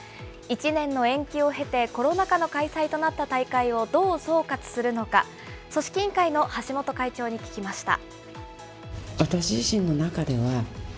１年の延期を経て、コロナ禍の開催となった大会をどう総括するのか、組織委員会の橋本会長に聞きました。